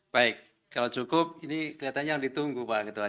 baik kalau cukup ini kelihatannya yang ditunggu pak ketua